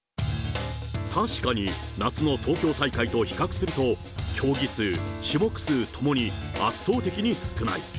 確かに夏の東京大会と比較すると、競技数、種目数ともに、圧倒的に少ない。